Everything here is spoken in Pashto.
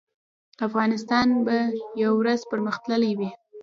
افغانستان به یو ورځ پرمختللی وي